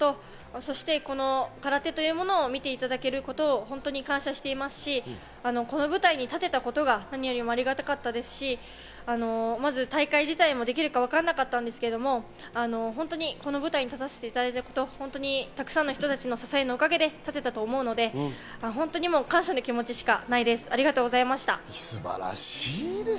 そしてこの空手というものを見ていただけることを本当に感謝していますし、この舞台に立てたことが何よりもありがたかったですし、まず大会自体もできるかわかんなかったんですけど、本当にこの舞台に立たせていただいたこと、たくさんの方たちの支えのおかげで立てたと思うので、本当に感謝の気持ちしかないです。